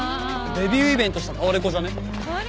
デビューイベントしたタワレコじゃね？